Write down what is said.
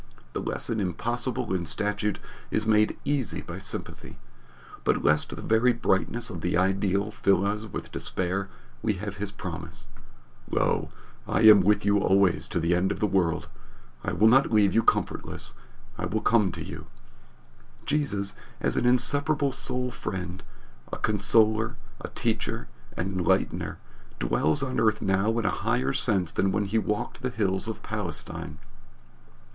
The lesson impossible in statute is made easy by sympathy. But lest the very brightness of the ideal fill us with despair we have his promise, "Lo, I am with you alway to the end of the world! I will not leave you comfortless. I will come to you." Jesus, as an inseparable soul friend a consoler, a teacher, an enlightener dwells on earth now in a higher sense than when he walked the hills of Palestine.